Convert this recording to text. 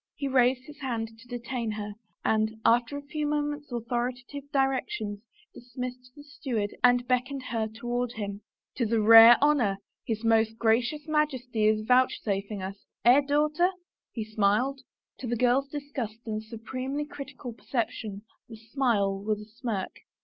He raised his hand to' detain her and, aftei a few moment's authoritative directions, dismissed the steward and beckoned her toward him. " 'Tis a rare honor his Most Gracious Majesty is vouchsafing us — eh, daughter ?" he smiled. To the girl's disgusted and supremely critical percep tion the smile was a smirk.